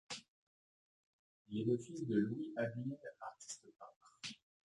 Il est le fils de Louis Adeline, artiste peintre.